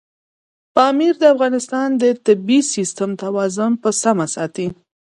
پامیر د افغانستان د طبعي سیسټم توازن په سمه ساتي.